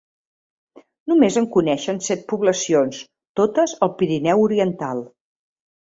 Només en coneixen set poblacions, totes al Pirineu oriental.